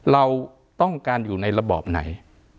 เราต้องการอยู่ในระบอบไหน